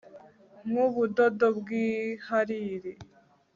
nk'ubudodo bw'ihariri